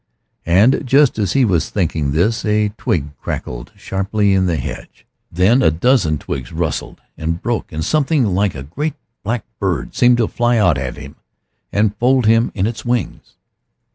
And just as he was thinking this a twig cracked sharply in the hedge. Then a dozen twigs rustled and broke, and something like a great black bird seemed to fly out at him and fold him in its wings.